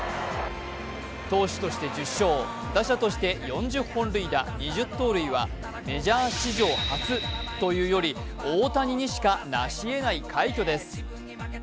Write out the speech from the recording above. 投手として１０勝、打者として４０本塁打２０盗塁はメジャー史上初！というより大谷にしかなしえない快挙です。